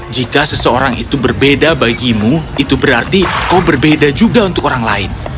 jika seseorang itu berbeda bagimu itu berarti kau berbeda juga untuk orang lain